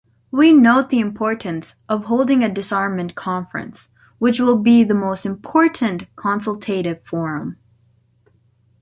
We note the importance of holding a disarmament conference, which will be the most important consultative forum.